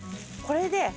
これで。